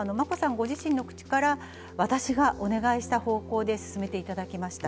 ご自身の口から私がお願いした方向で進めていただきました。